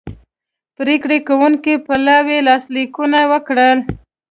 پریکړې کوونکي پلاوي لاسلیکونه وکړل